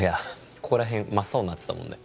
ここらへん真っ青になってたもんね